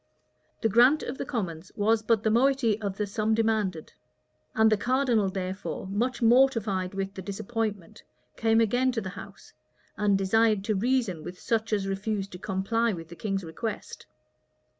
The grant of the commons was but the moiety of the sum demanded; and the cardinal, therefore, much mortified with the disappointment, came again to the house, and desired to reason with such as refused to comply with the king's request.